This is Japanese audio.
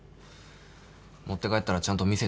持って帰ったらちゃんと見せてよ。